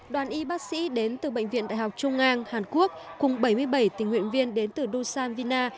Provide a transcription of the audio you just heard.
đoàn y bác sĩ đến từ bệnh viện đại học trung ngang hàn quốc cùng bảy mươi bảy tình nguyện viên đến từ dusan vina